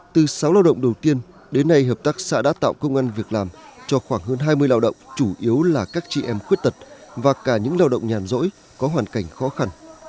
từ sáu lao động đầu tiên đến nay hợp tác xã đã tạo công an việc làm cho khoảng hơn hai mươi lao động chủ yếu là các chị em khuyết tật và cả những lao động nhàn rỗi có hoàn cảnh khó khăn